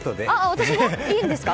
私もいいんですか。